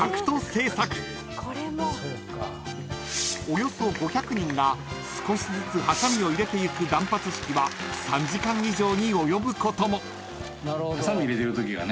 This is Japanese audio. ［およそ５００人が少しずつはさみを入れていく断髪式は３時間以上に及ぶことも］